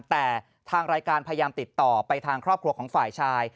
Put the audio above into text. แต่ทางรายการพยายามติดต่อไปทางครอบครัวของฝ่ายชาย